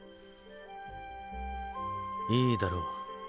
いいだろう。